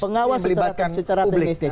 pengawal secara teknis